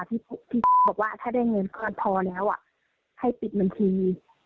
ที่บอกว่าถ้าได้เงินก็พอแล้วให้ปิดบัญชี